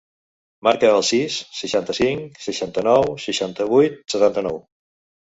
Marca el sis, seixanta-cinc, seixanta-nou, seixanta-vuit, setanta-nou.